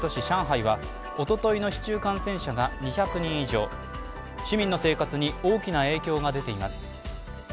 上海はおとといの市中感染者が２００人以上市民の生活に大きな影響が出ています。